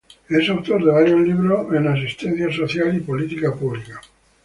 Es autor de varios libros en asistencia social y política pública.